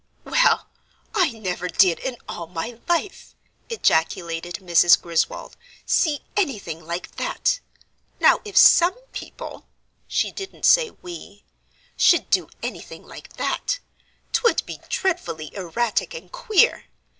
"Well, I never did in all my life," ejaculated Mrs. Griswold, "see anything like that. Now if some people" she didn't say "we" "should do anything like that, 'twould be dreadfully erratic and queer.